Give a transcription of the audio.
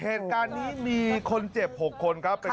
เหตุการณ์นี้มีคนเจ็บ๖คนครับ